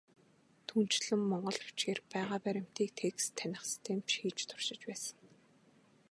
Түүнчлэн, монгол бичгээр байгаа баримтыг текст таних систем ч хийж туршиж байсан.